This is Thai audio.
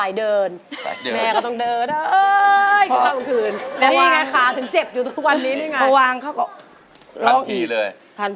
ร้องให้ไม่หยุดเลย